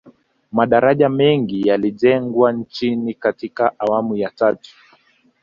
madaraja mengi yalijengwa nchini katika awamu ya tatu